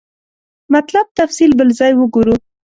مطلب تفصیل بل ځای وګورو.